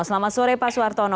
selamat sore pak suartono